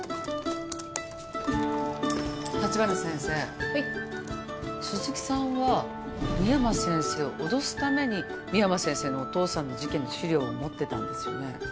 ・立花先生はい鈴木さんは深山先生を脅すために深山先生のお父さんの事件の資料を持ってたんですよね？